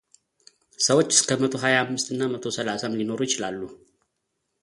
ሰዎች እስከ መቶ ሀያ አምስት እና መቶ ሰላሳም ሊኖሩ ይችላሉ።